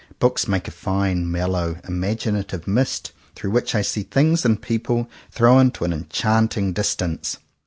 Books make a fine, mellow, imaginative mist, through which I see things and people thrown to an enchanting distance.